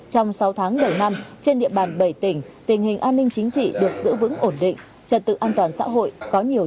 trong sáu tháng đầu năm trên địa bàn bảy tỉnh tình hình an ninh chính trị được giữ vững ổn định trật tự an toàn xã hội có nhiều